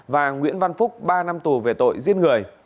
và nguyễn văn phúc ba năm tù về tội giết người